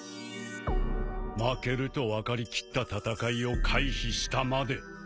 負けると分かりきった戦いを回避したまで。